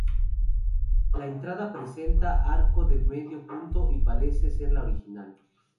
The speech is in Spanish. La entrada presenta arco de medio punto y parece ser la original.